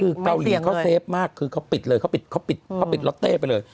คือเกาหลีเขาเซฟมากคือเขาปิดเลยเขาปิดเขาปิดล็อตเต้ไปเลย